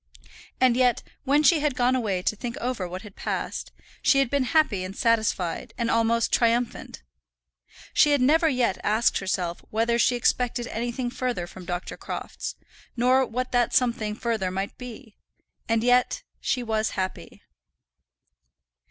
And yet, when she had gone away to think over what had passed, she had been happy and satisfied, and almost triumphant. She had never yet asked herself whether she expected anything further from Dr. Crofts, nor what that something further might be, and yet she was happy!